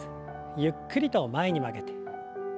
ゆっくりと前に曲げて。